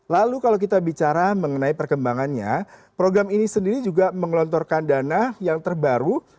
lalu kalau kita bicara mengenai perkembangannya program ini sendiri juga mengelontorkan dana yang terbaru